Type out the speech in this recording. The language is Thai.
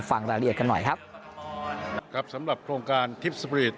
ฟังรายละเอียดกันหน่อยครับนะครับสำหรับโครงการทิพย์สปรีท